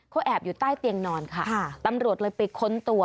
เขาแอบอยู่ใต้เตียงนอนค่ะตำรวจเลยไปค้นตัว